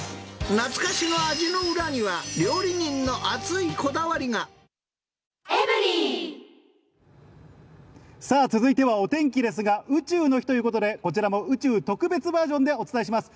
懐かしの味の裏には、料理人さあ、続いてはお天気ですが、宇宙の日ということで、こちらも宇宙特別バージョンでお伝えします。